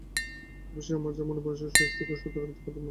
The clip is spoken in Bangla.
এ বিষয়ে আমার যা মনে পড়েছে, শুধু সেটুকুরই পুনরাবৃত্তি করলাম মাত্র।